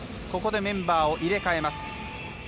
ここでメンバーを入れ替えます。